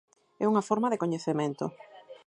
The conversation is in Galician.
É unha forma de coñecemento.